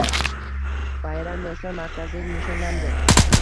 Bayram yoshlar markazida nishonlandi